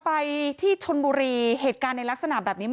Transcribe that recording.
ไปที่ชนบุรีเหตุการณ์ในลักษณะแบบนี้